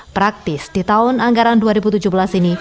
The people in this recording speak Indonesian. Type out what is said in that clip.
praktis di tahun anggaran dua ribu tujuh belas ini